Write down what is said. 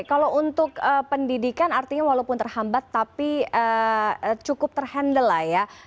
kalau untuk pendidikan artinya walaupun terhambat tapi cukup terhandle lah ya